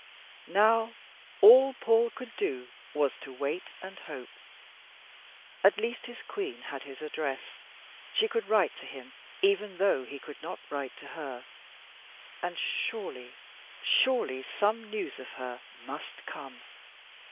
Now all Paul could do was to wait and hope. At least his Queen had his address. She could write to him, even though he could not write to her and surely, surely, some news of her must come.